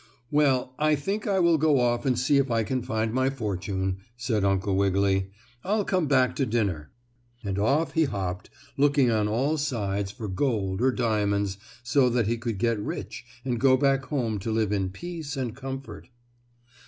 "Well, I think I will go off and see if I can find my fortune," said Uncle Wiggily. "I'll come back to dinner," and off he hopped, looking on all sides for gold or diamonds so that he could get rich and go back home to live in peace and comfort.